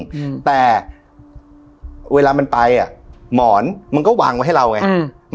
อืมแต่เวลามันไปอ่ะหมอนมันก็วางไว้ให้เราไงอืม